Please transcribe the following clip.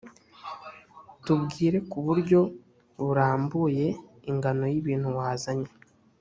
tubwire ku buryo burambuye ingano y’ibintu wazanye